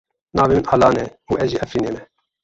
Navê min Alan e û ez ji Efrînê me.